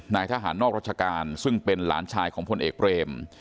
นายทหารนอกราชการซึ่งเป็นหลานชายของพลเอกเบรม